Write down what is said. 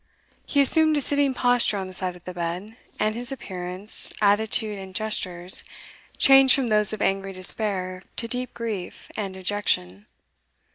He assumed a sitting posture on the side of the bed, and his appearance, attitude, and gestures, changed from those of angry despair to deep grief and dejection.